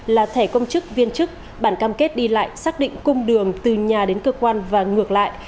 là thẻ công chức viên chức bản cam kết đi lại xác định cung đường từ nhà đến cơ quan và ngược lại